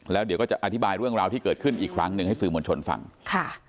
แล้วเดี๋ยวก็จะอธิบายเรื่องราวที่เกิดขึ้นอีกครั้งหนึ่งให้สื่อมวลชนฟังค่ะ